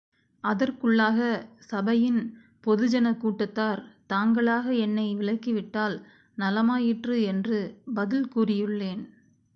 அதற்குள்ளாக, சபையின் பொது ஜனக் கூட்டத்தார், தாங்களாக என்னை விலக்கி விட்டால் நலமாயிற்று என்று பதில் கூறியுள்ளேன்.